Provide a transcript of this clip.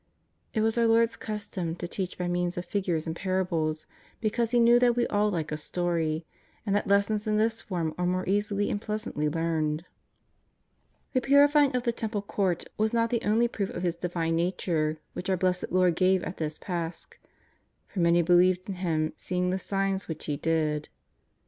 '' It was our Lord's custom to teach by means of figures and parables, because He knew that we all like a story, and that lessons in this form are more easily and pleasantly learned. The purifying of the Temple Court was not the only proof of His Divine Power which our Blessed Lord gave at this Pasch, " for many believed in Him seeing the signs which He did."